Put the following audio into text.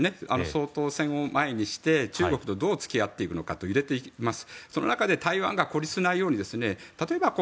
総統選を前にして中国とどう付き合っていくのかと揺れています。